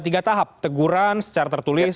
tiga tahap teguran secara tertulis